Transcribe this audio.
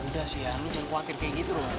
udah sih ya lu jangan khawatir kayak gitu loh